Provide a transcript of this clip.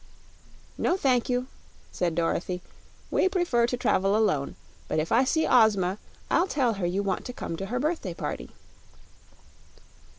"No thank you," said Dorothy; "we prefer to travel alone. But if I see Ozma I'll tell her you want to come to her birthday party."